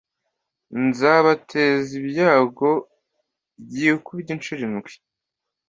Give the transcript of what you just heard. nzabateza ibyago byikubye incuro ndwi